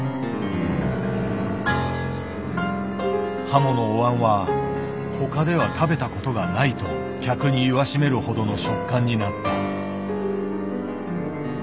ハモのお椀は「他では食べたことがない」と客に言わしめるほどの食感になった。